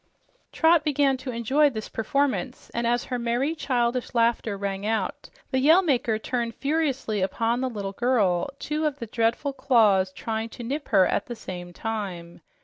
Trot began to enjoy this performance, and as her merry, childish laughter rang out, the Yell Maker turned furiously upon the little girl, two of the dreadful claws trying to nip her at the same time.